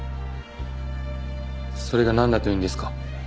それがなんだというんですか？